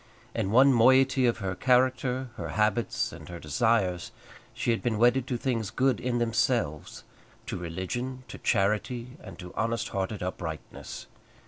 In one moiety of her character, her habits, and her desires, she had been wedded to things good in themselves, to religion, to charity, and to honest hearted uprightness.